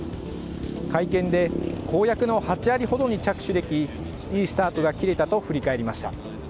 会見で公約の８割ほどに着手できいいスタートが切れたと振り返りました。